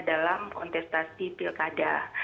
dalam kontestasi pilkada